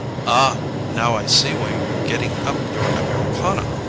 "Ah—now I see why you were getting up your Americana!"